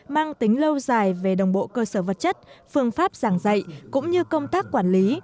mang tính lâu dài về đồng bộ cơ sở vật chất phương pháp giảng dạy cũng như công tác quản lý